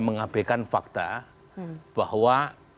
mengabekan fakta bahwa